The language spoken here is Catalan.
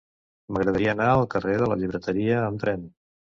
M'agradaria anar al carrer de la Llibreteria amb tren.